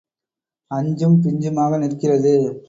அஞ்சும் பிஞ்சுமாக நிற்கிறது.